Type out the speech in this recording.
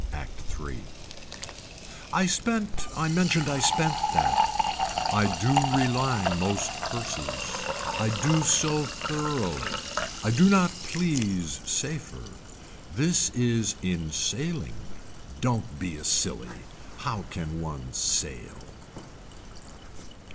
Act Three. I spent I mentioned I spent that. I do reline most purses. I do so thoroughly. I do not please safer. This is in sailing. Don't be a silly. How can one sail.